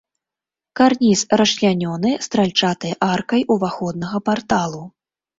Карніз расчлянёны стральчатай аркай уваходнага парталу.